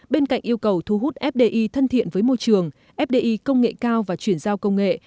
bên cạnh yêu cầu thu hút fdi thân thiện với môi trường fdi công nghệ cao và chuyển giao công nghệ